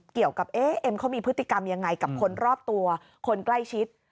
เอ๊เอ็มเขามีพฤติกรรมยังไงกับคนรอบตัวคนใกล้ชิด